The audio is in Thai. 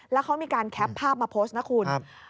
แล้วเขามีการแคปภาพมาโพสต์นะคุณ